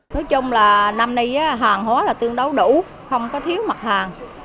nói chung là năm nay hàng hóa là tương đấu đủ không có thiếu mặt hàng